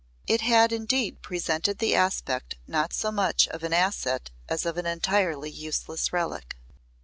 It had indeed presented the aspect not so much of an asset as of an entirely useless relic.